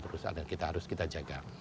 perusahaan yang harus kita jaga